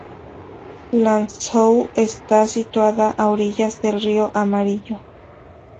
Lanzhou está situada a orillas del río Amarillo.